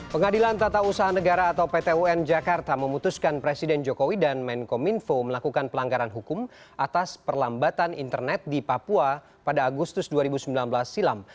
pengadilan tata usaha negara atau pt un jakarta memutuskan presiden jokowi dan menkominfo melakukan pelanggaran hukum atas perlambatan internet di papua pada agustus dua ribu sembilan belas silam